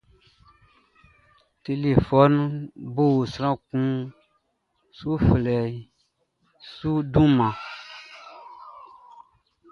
Telefɔnunʼn bo, sran kun su flɛ ɔ dunmanʼn.